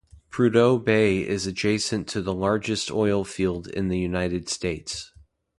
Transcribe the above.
Prudhoe Bay is adjacent to the largest oil field in the United States.